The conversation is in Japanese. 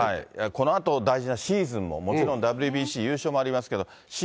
このあと、大事なシーズンも、もちろんＷＢＣ優勝もありますけ